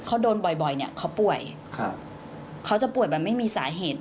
เขาโดนบ่อยเขาป่วยค่ะเขาจะป่วยแบบไม่มีสาเหตุ